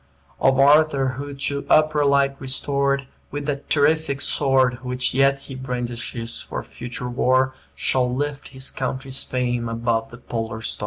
"Of Arthur, who, to upper light restored, With that terrific sword, Which yet he brandishes for future war, Shall lift his country's fame above the polar star."